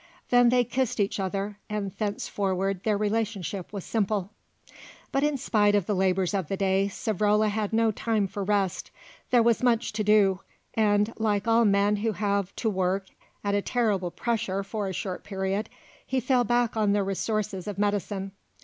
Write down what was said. Then they kissed each other, and thenceforward their relationship was simple. But in spite of the labours of the day Savrola had no time for rest. There was much to do, and, like all men who have to work at a terrible pressure for a short period, he fell back on the resources of medicine.